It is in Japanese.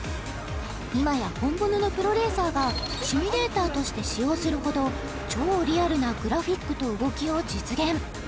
今や本物のプロレーサーがシミュレーターとして使用するほど超リアルなグラフィックと動きを実現